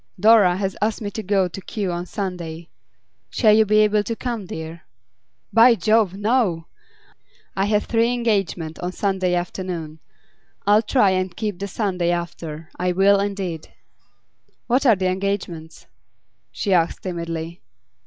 'Dora has asked me to go to Kew on Sunday. Shall you be able to come, dear?' 'By Jove, no! I have three engagements on Sunday afternoon. I'll try and keep the Sunday after; I will indeed.' 'What are the engagements?' she asked timidly.